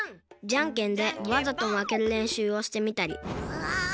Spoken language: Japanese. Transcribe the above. じゃんけんでわざとまけるれんしゅうをしてみたりぐわっ！